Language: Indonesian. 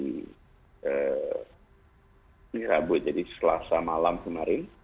hari rabu jadi selasa malam kemarin